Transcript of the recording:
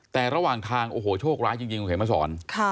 แต่ระหว่างทางโอ้โหโชคล้ายจริงเห็นไหมสอน